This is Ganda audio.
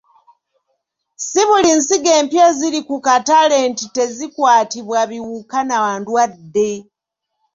Si buli nsigo empya eziri ku katale nti tezikwatibwa biwuka na ndwadde.